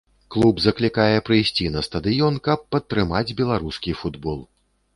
Клуб заклікае прыйсці на стадыён, каб падтрымаць беларускі футбол.